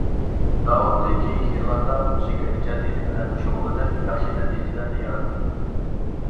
داۋۇتتىن كېيىنكى يىللاردا مۇزىكا ئىجادىيىتى بىلەنمۇ شۇغۇللىنىپ، ياخشى نەتىجىلەرنى ياراتتى.